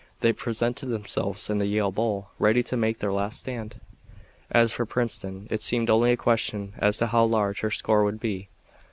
They presented themselves in the Yale bowl ready to make their last stand. As for Princeton it seemed only a question as to how large her score would be.